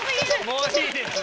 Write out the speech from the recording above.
もういいです。